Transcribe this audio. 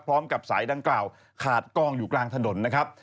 พร้อมกับสายดังกล่าวขาดกองอยู่กลางถนนนะครับ